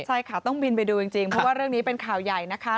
ใช่ค่ะต้องบินไปดูจริงเพราะว่าเรื่องนี้เป็นข่าวใหญ่นะคะ